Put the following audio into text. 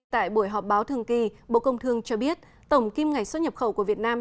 tại buổi họp báo thường kỳ bộ công thương cho biết tổng kim ngạch xuất nhập khẩu của việt nam